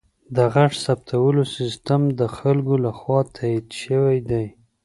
د غږ ثبتولو سیستم د خلکو لخوا تایید شوی دی.